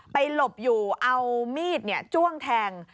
หลบอยู่เอามีดจ้วงแทง